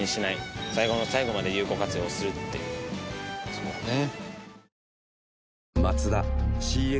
そうだね。